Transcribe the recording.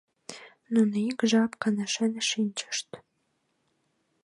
Нуно ик жап каҥашен шинчышт.